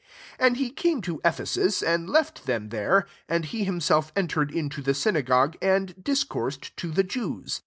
19 And he caifie to Ephesus, and left them there : and he himself entered into the synagogue, and discoursed to the Jews.